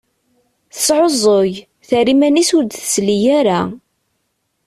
Tesεuẓẓeg, terra iman-is ur d-tesli ara.